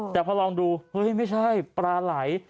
แต่พอลองดูเฮ้ยไม่ใช่ปลาไหล